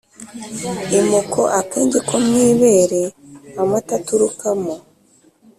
Imoko: akenge ko mu ibere amata aturukamo.